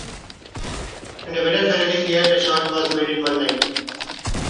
When the weather finally cleared the shot was made in one night.